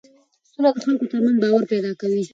سوله د خلکو ترمنځ باور پیدا کوي